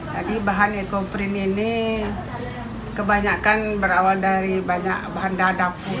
jadi bahan ekoprim ini kebanyakan berawal dari banyak bahan dadap